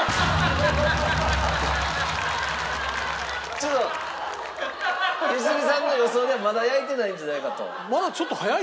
ちょっと良純さんの予想ではまだ焼いてないんじゃないかと？